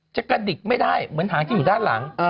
กระดิกไม่ได้เหมือนหางที่อยู่ด้านหลัง